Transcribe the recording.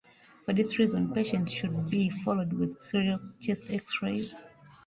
For this reason, patients should be followed with serial chest X-rays.